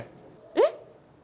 えっ？